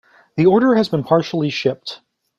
The order has been partially shipped.